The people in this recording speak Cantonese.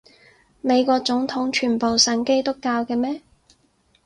美國總統全部信基督教嘅咩？